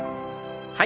はい。